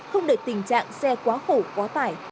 không để tình trạng xe quá khổ quá tải